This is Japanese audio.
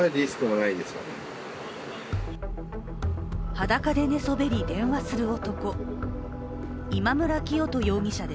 裸で寝そべり電話する男。